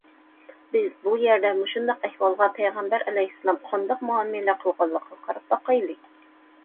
بىز بۇ يەردە مۇشۇنداق ئەھۋالغا پەيغەمبەر ئەلەيھىسسالام قانداق مۇئامىلە قىلغانلىقىغا قاراپ باقايلى.